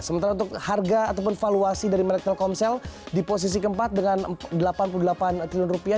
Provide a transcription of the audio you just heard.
sementara untuk harga ataupun valuasi dari merek telkomsel di posisi keempat dengan delapan puluh delapan triliun rupiah